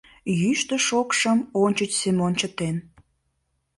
Йӱштӧ-шокшым ончыч Семен чытен.